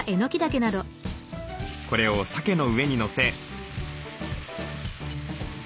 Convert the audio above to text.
これをさけの上にのせ。